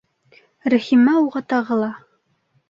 Рәхимә уға тағы ла: